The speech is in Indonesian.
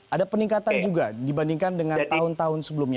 ada peningkatan juga dibandingkan dengan tahun tahun sebelumnya